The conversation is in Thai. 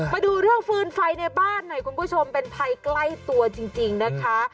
มาดูเรื่องฟืนไฟในบ้านหน่อยคุณผู้ชมเป็นภัยใกล้ตัวจริงนะคะ